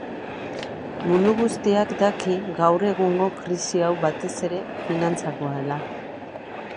Mundu guztiak daki gaur egungo krisi hau batez ere finantzakoa dela.